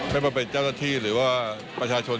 ไม่ว่าเป็นเจ้าหน้าที่หรือว่าประชาชน